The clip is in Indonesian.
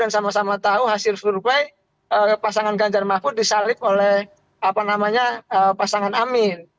sama sama tahu hasil suruh pay pasangan ganjar mahfud disalib oleh apa namanya pasangan amin